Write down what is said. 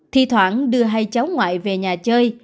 thì thoảng đưa hai cháu ngoại về nhà chơi